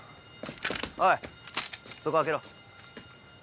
おいそこ空けろ。